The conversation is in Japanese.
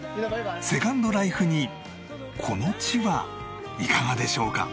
セカンドライフにこの地はいかがでしょうか？